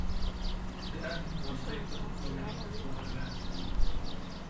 The album was later nominated for a Grammy.